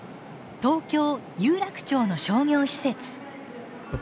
東京・有楽町の商業施設。